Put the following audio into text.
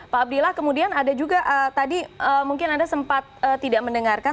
pak abdillah kemudian ada juga tadi mungkin anda sempat tidak mendengarkan